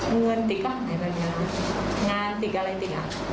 เงินติ๊กก็หายแบบเนี้ยงานติ๊กอะไรติ๊กอ่ะ